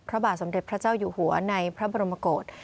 พระบาทสมเด็จพระเจ้าอยู่หัวในพระบรมกฏ